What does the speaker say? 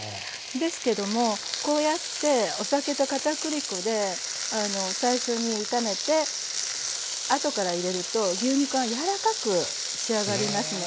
ですけどもこうやってお酒と片栗粉で最初に炒めて後から入れると牛肉が柔らかく仕上がりますので。